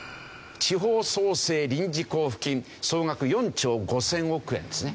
地方創生臨時交付金総額４兆５０００億円ですね。